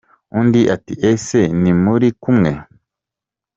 Undi ati Ese ntimuri kumwe ?